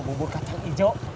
bubur kacang ijo